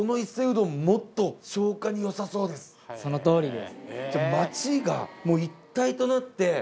そのとおりです。